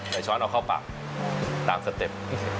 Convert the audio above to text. ช้อนเอาเข้าปากตามสเต็ป